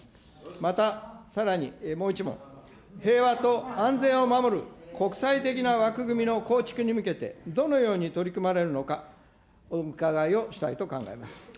また、さらにもう１問、平和と安全を守る国際的な枠組みの構築に向けて、どのように取り組まれるのか、お伺いをしたいと考えます。